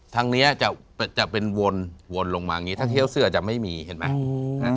ทางนี้จะเป็นวนวนลงมาอย่างนี้ถ้าเที่ยวเสื้อจะไม่มีเห็นไหม